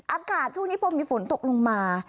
อากาศช่วงที่ผมมีฝนตกลงมา